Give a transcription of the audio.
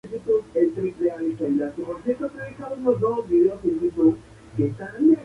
Esto puede exponer al usuario al ataque incluso con las imágenes spam.